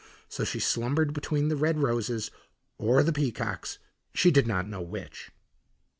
So she slumbered between the red roses, or the peacocks, she did not know which.